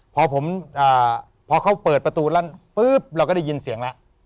พอผมพอเขาเปิดประตูแล้วปุ๊บเราก็ได้ยินเสียงแล้ว